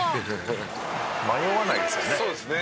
「迷わないですからね」